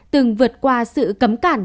từng vượt qua sự cấm cản